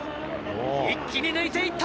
一気に抜いて行った！